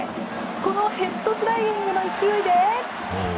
このヘッドスライディングの勢いで。